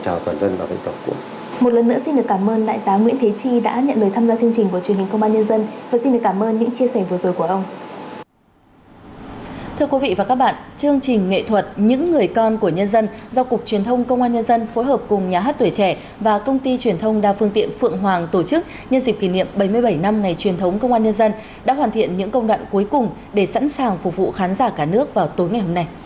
thưa quý vị và các bạn chương trình nghệ thuật những người con của nhân dân do cục truyền thông công an nhân dân phối hợp cùng nhà hát tuổi trẻ và công ty truyền thông đa phương tiện phượng hoàng tổ chức nhân dịp kỷ niệm bảy mươi bảy năm ngày truyền thống công an nhân dân đã hoàn thiện những công đoạn cuối cùng để sẵn sàng phục vụ khán giả cả nước vào tối ngày hôm nay